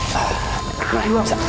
kalian bisa huruf